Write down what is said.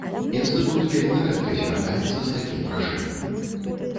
Інстытут вельмі рэдка звяртаецца з такім прашэннем.